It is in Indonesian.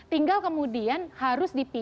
tinggal kemudian harus dipicu dan dipilih